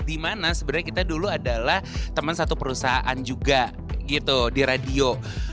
dimana sebenarnya kita dulu adalah teman satu perusahaan juga gitu di radio